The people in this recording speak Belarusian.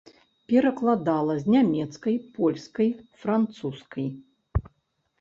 Перакладала з нямецкай, польскай, французскай.